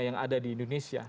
yang ada di indonesia